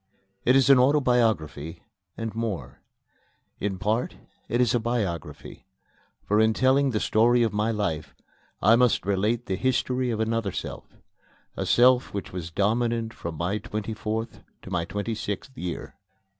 It is an autobiography, and more: in part it is a biography; for, in telling the story of my life, I must relate the history of another self a self which was dominant from my twenty fourth to my twenty sixth year.